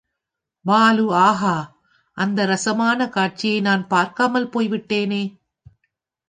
பாலு ஆகா, அந்த ரசமான காட்சியை நான் பார்க்காமல் போய்விட்டேனே!